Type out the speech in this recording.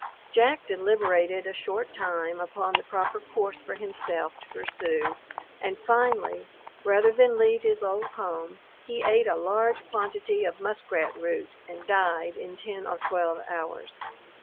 Jack deliberated a short time upon the proper course for himself to pursue, and finally, rather than leave his old home, he ate a large quantity of muskrat root, and died in 10 or 12 hours.